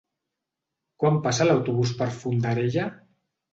Quan passa l'autobús per Fondarella?